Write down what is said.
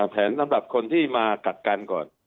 สำหรับคนที่มากักกันก่อน